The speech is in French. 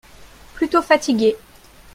Plutôt fatigué.